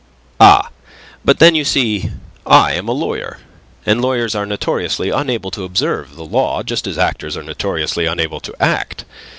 "Ah, but then, you see, I am a lawyer. And lawyers are notoriously unable to observe the law, just as actors are notoriously unable to act.